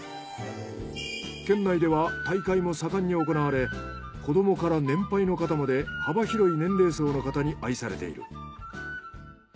県内では大会も盛んに行われ子どもから年配の方まで幅広い年齢層の方に愛されている。